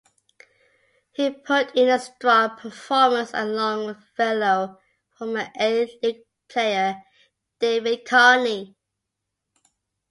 He put in a strong performance along with fellow former A-League player David Carney.